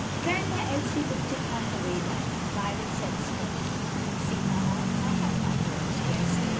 Grandma Elsie looked in on her way down, and Violet said, sportively, "See, mamma, I have my dolls dressed."